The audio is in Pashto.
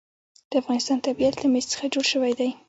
د افغانستان طبیعت له مس څخه جوړ شوی دی.